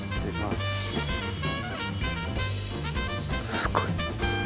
すごい。